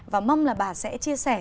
và mong là bà sẽ chia sẻ